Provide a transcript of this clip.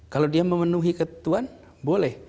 kalau dia memenuhi ketentuan boleh